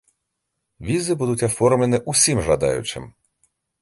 Візы будуць аформлены ўсім жадаючым!